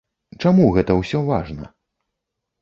Чаму гэта ўсё важна?